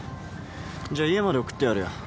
じゃ家まで送ってやるよ。